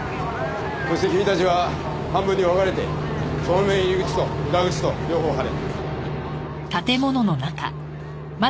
そして君たちは半分に分かれて正面入り口と裏口と両方張れ。